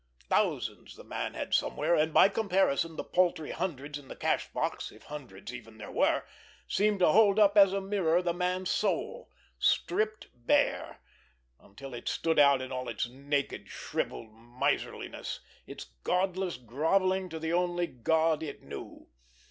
Thousands the man had somewhere, and, by comparison, the paltry hundreds in the cash box, if hundreds even there were, seemed to hold up as to a mirror the man's soul, stripped bare, until it stood out in all its naked, shrivelled miserliness, its godless grovelling to the only god it knew!